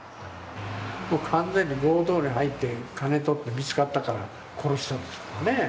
完全に強盗に入って金取って見つかったから殺したんですから。